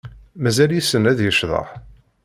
Mazal yessen ad yecḍeḥ?